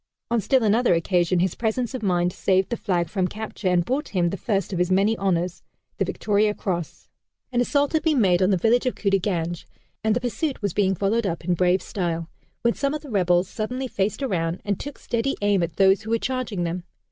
On still another occasion, his presence of mind saved the flag from capture and brought him the first of his many honors, the Victoria Cross. An assault had been made on the village of Khudaganj, and the pursuit was being followed up in brave style, when some of the rebels suddenly faced around and took steady aim at those who were charging them.